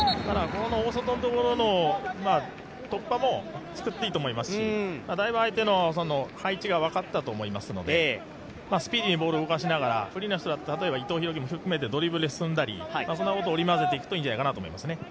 大外のところの突破も作っていいと思いますしだいぶ、相手の配置が分かったと思いますのでスピーディーにボールを動かしながら例えば伊藤洋輝も含めてドリブルで進んだり、そんなことを織り交ぜていくといいんじゃないかなと思います。